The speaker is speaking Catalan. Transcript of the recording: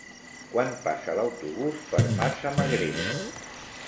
Quan passa l'autobús per Massamagrell?